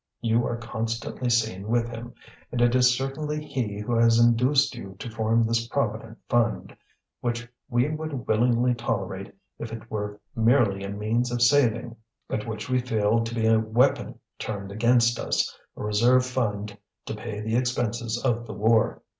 You are constantly seen with him, and it is certainly he who has induced you to form this Provident Fund, which we would willingly tolerate if it were merely a means of saving, but which we feel to be a weapon turned against us, a reserve fund to pay the expenses of the war.